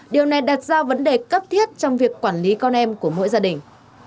điều này đặt ra vấn đề cấp thiết trong việc quản lý con em của mỗi gia đình